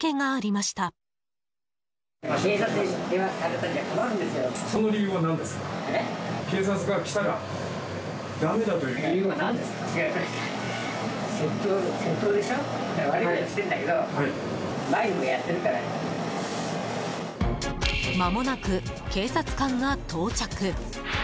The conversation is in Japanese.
まもなく警察官が到着。